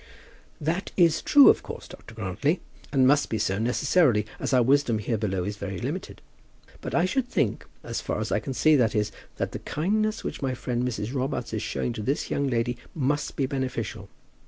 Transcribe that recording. "That is true, of course, Dr. Grantly, and must be so necessarily, as our wisdom here below is so very limited. But I should think, as far as I can see, that is, that the kindness which my friend Mrs. Robarts is showing to this young lady must be beneficial.